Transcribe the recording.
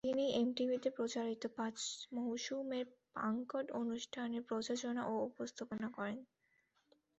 তিনি এমটিভিতে প্রচারিত পাঁচ মৌসুমের পাঙ্ক্ড অনুষ্ঠান প্রযোজনা ও উপস্থাপনা করেন।